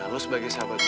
lo sebagai sahabat gue